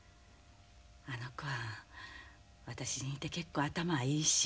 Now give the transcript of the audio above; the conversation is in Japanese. あの子は私に似て結構頭いいし。